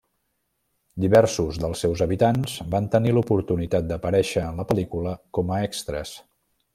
Diversos dels seus habitants van tenir l'oportunitat d'aparèixer en la pel·lícula com a extres.